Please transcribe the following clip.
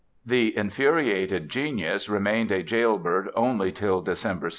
The infuriated genius remained a jailbird only till December 2.